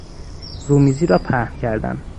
رومیزی را پهن کردن